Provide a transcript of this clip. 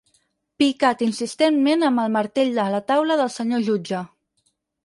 Picat insistentment amb el martell a la taula del senyor jutge.